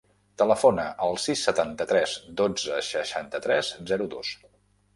Telefona al sis, setanta-tres, dotze, seixanta-tres, zero, dos.